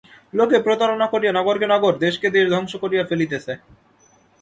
লোকে প্রতারণা করিয়া নগরকে নগর, দেশকে দেশ ধ্বংস করিয়া ফেলিতেছে।